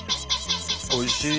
おいしい！